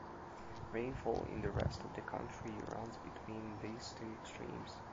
Rainfall in the rest of the country runs between these two extremes.